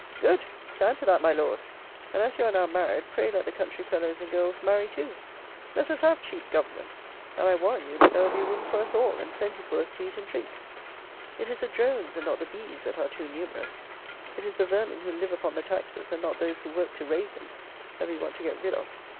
Good! stand to that, my Lord, and, as you are now married, pray let the country fellows and girls marry too: let us have cheap government, and I warrant you that there will be room for us all, and plenty for us to eat and drink. It is the drones, and not the bees, that are too numerous; it is the vermin who live upon the taxes, and not those who work to raise them, that we want to get rid of.